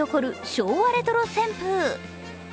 昭和レトロ旋風。